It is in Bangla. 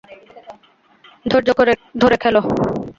ধৈর্য ধরে খেল।